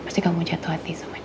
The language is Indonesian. pasti kamu jatuh hati sama dia